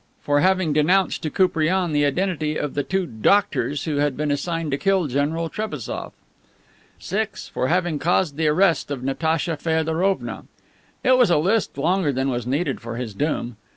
For having denounced to Koupriane the identity of the two "doctors" who had been assigned to kill General Trebassof. 6. For having caused the arrest of Natacha Feodorovna. It was a list longer than was needed for his doom.